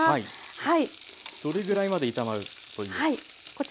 どれぐらいまで炒まるといいんですか？